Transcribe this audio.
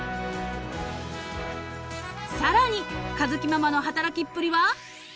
［さらに佳月ママの働きっぷりは］